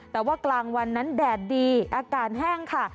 แต่ว่ากลางวันนั้นแดดดีอากาศแห้งค่ะ